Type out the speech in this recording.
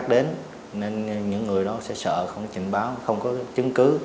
để giúp mình